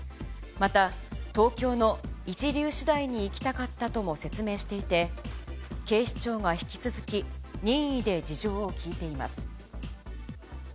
また、東京の一流私大に行きたかったとも説明していて、警視庁が引き続き、任意で事情を聴いています。